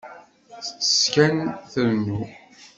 Tettess kan, trennu.